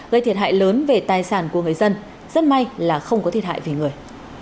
gây thiệt hại lớn về tài sản của người dân rất may là không có thiệt hại về người